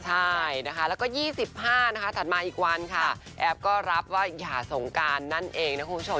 ใช่นะคะแล้วก็๒๕นะคะถัดมาอีกวันค่ะแอฟก็รับว่าอย่าสงการนั่นเองนะคุณผู้ชม